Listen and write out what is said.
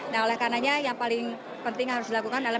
nah oleh karenanya yang paling penting harus dilakukan adalah